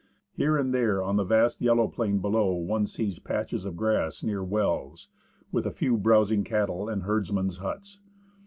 Here and there on the vast yellow plain below one sees patches of grass near wells, with a few browsing cattle and herdsmen's huts.